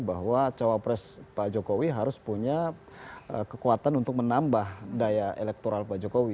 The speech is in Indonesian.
bahwa cawapres pak jokowi harus punya kekuatan untuk menambah daya elektoral pak jokowi